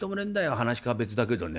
噺家は別だけどね。